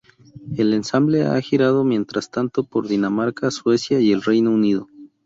El ensemble ha girado, mientras tanto, por Dinamarca, Suecia y el Reino Unido.